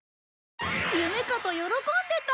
夢かと喜んでた！